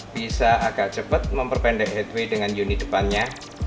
bisa agak cepat memperpendek headway dengan unit depannya